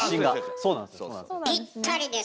そうなんです。